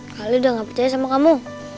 kali udah gak percaya sama kamu